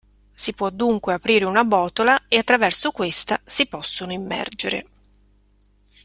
Si può dunque aprire una botola e attraverso questa si possono immergere.